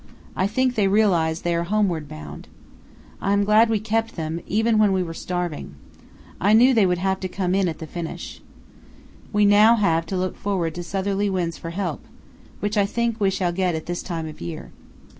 I think they realize they are homeward bound. I am glad we kept them, even when we were starving. I knew they would have to come in at the finish. We have now to look forward to southerly winds for help, which I think we shall get at this time of year.